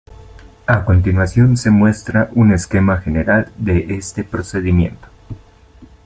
A continuación se muestra un esquema general de este procedimiento.